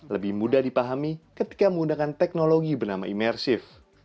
lebih mudah dipahami ketika menggunakan teknologi bernama imersif